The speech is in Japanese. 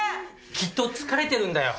きっと疲れてるんだよ。